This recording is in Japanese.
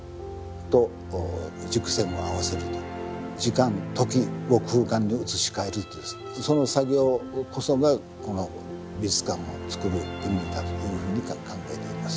時間時を空間に移し替えるというその作業こそがこの美術館をつくる意味だというふうに考えています。